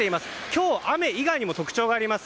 今日、雨以外にも特徴があります。